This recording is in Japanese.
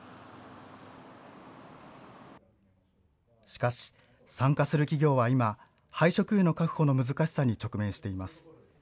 しかし、参加する企業は今、廃食油の確保の難しさに直面しています。